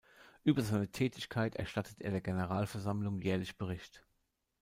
Über seine Tätigkeit erstattet er der Generalversammlung jährlich Bericht.